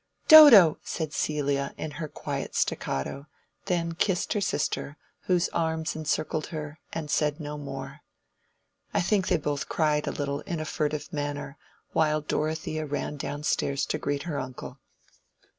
"Dodo!" said Celia, in her quiet staccato; then kissed her sister, whose arms encircled her, and said no more. I think they both cried a little in a furtive manner, while Dorothea ran down stairs to greet her uncle.